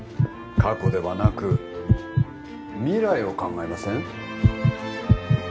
過去ではなく未来を考えません？